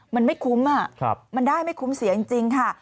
มันไม่คุ้มมันได้ไม่คุ้มเสียจริงค่ะ